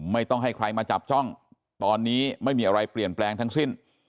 ไม่ต้องให้ใครมาจับจ้องตอนนี้ไม่มีอะไรเปลี่ยนแปลงทั้งสิ้น